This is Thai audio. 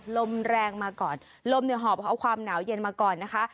ลมแรงมาก่อนลมเนี่ยหอบเอาความหนาวเย็นมาก่อนนะคะ